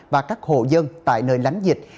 và các hộ dân tại nơi lánh dịch